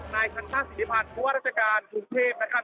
นายคณะสินิพันธ์ทั่วราชการกรุงเทพนะครับ